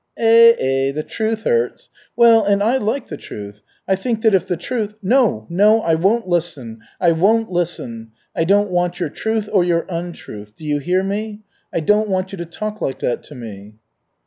"Eh eh! The truth hurts! Well, and I like the truth. I think that if the truth " "No, no, I won't listen, I won't listen. I don't want your truth or your untruth. Do you hear me? I don't want you to talk like that to me."